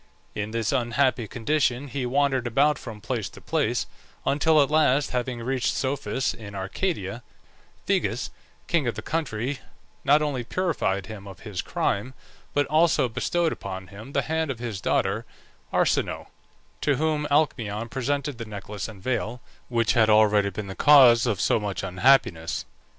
In this unhappy condition he wandered about from place to place, until at last having reached Psophis in Arcadia, Phegeus, king of the country, not only purified him of his crime, but also bestowed upon him the hand of his daughter Arsinoe, to whom Alcmaeon presented the necklace and veil, which had already been the cause of so much unhappiness.